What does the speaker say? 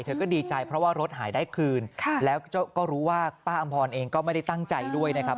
เธอก็ดีใจเพราะว่ารถหายได้คืนแล้วก็รู้ว่าป้าอำพรเองก็ไม่ได้ตั้งใจด้วยนะครับ